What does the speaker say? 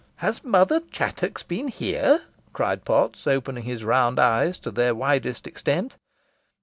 "Has Mother Chattox been here?" cried Potts, opening his round eyes to their widest extent.